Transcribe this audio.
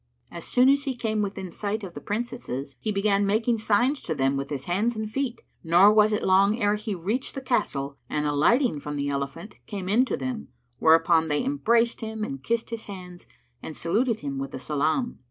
As soon as he came within sight of the Princesses, he began making signs to them with his hands and feet; nor was it long ere he reached the castle and, alighting from the elephant, came in to them, whereupon they embraced him and kissed his hands and saluted him with the salam.